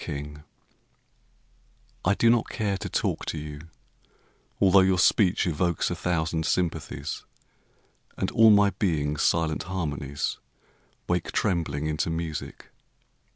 Dreams I do not care to talk to you although Your speech evokes a thousand sympathies, And all my being's silent harmonies Wake trembling into music.